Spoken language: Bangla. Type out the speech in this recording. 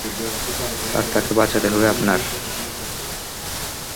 স্যার, তাকে বাঁচাতে হবে আপনার।